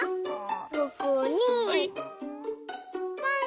ここにポン！